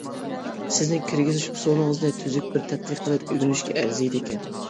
سىزنىڭ كىرگۈزۈش ئۇسۇلىڭىزنى تۈزۈك بىر تەتقىق قىلىپ ئۆگىنىشكە ئەرزىيدىكەن.